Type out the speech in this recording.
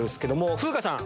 風花さん